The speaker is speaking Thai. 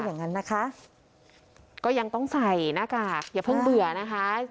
อย่างนั้นนะคะก็ยังต้องใส่หน้ากากอย่าเพิ่งเบื่อนะคะ